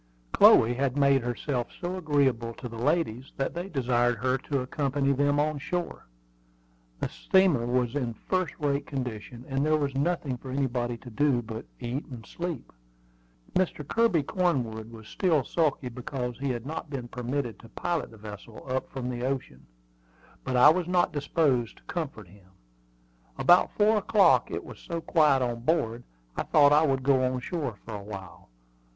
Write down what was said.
Chloe had made herself so agreeable to the ladies that they desired her to accompany them on shore. The steamer was in first rate condition, and there was nothing for anybody to do but eat and sleep. Mr. Kirby Cornwood was still sulky because he had not been permitted to pilot the vessel up from the ocean; but I was not disposed to comfort him. About four o'clock, it was so quiet on board, I thought I would go on shore for a while.